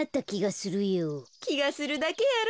きがするだけやろ。